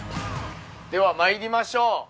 ではまいりましょう。